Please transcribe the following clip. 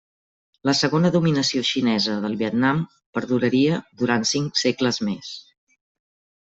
La segona dominació xinesa del Vietnam perduraria durant cinc segles més.